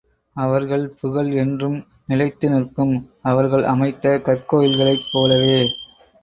அவர்கள் புகழ் என்றும் நிலைத்து நிற்கும், அவர்கள் அமைத்த கற்கோயில்களைப் போலவே.